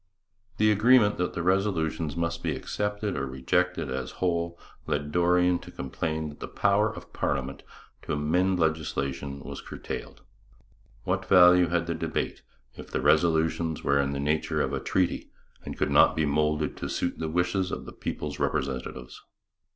The agreement that the resolutions must be accepted or rejected as a whole led Dorion to complain that the power of parliament to amend legislation was curtailed. What value had the debate, if the resolutions were in the nature of a treaty and could not be moulded to suit the wishes of the people's representatives?